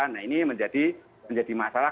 nah ini menjadi masalah